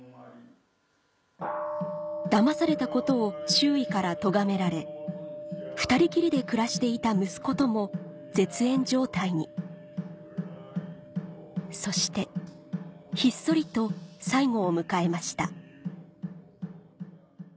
だまされたことを周囲からとがめられ２人きりで暮らしていたそしてひっそりと最期を迎えました